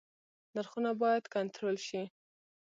نرخونه باید کنټرول شي